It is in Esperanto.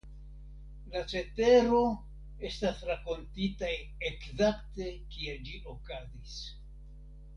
La cetero estas rakontita ekzakte kiel ĝi okazis.